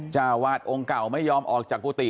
เจ้าวาดองค์เก่าไม่ยอมออกจากกุฏิ